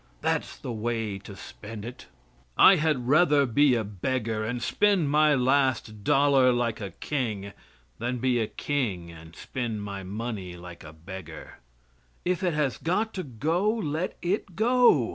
That's the way to spend it. I had rather be a beggar and spend my last dollar like a king, than be a king and spend my money like a beggar. If it has got to go, let it go.